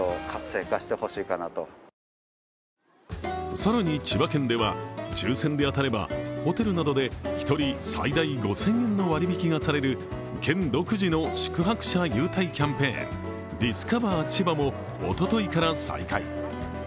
更に、千葉県では抽選で当たればホテルなどで１人最大５０００円の割引がされる県独自の宿泊者優待キャンペーン、ディスカバー千葉もおとといから再開。